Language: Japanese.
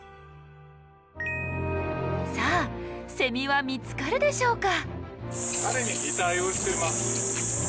さあセミは見つかるでしょうか？